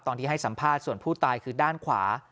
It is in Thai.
ตอนที่ให้สัมภาษณ์ส่วนผู้ตายคือด้านขวา